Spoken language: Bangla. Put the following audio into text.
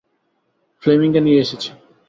ফ্লেমিঙ্গো নিয়ে এসেছি।